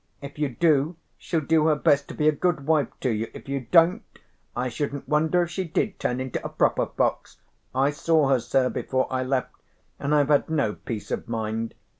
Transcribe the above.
If you do she'll do her best to be a good wife to you, if you don't I shouldn't wonder if she did turn into a proper fox. I saw her, sir, before I left, and I've had no peace of mind.